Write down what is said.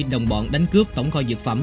đồng bọn đánh cướp tổng kho dược phẩm